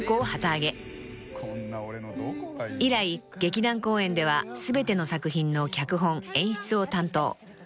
［以来劇団公演では全ての作品の脚本演出を担当］